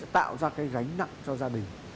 tạo ra cái gánh nặng cho gia đình